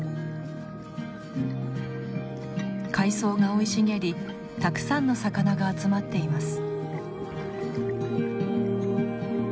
海草が生い茂りたくさんの魚が集まっています。